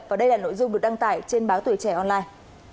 và đây là nội dung được đăng tải trên báo tuổi trẻ online